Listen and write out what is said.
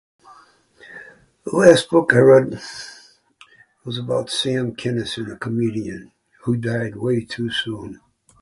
[unintelligible] was about Sam Kenison, a comedian...who died way too soon.